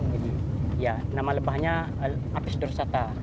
jadi ya nama lebahnya apis dursata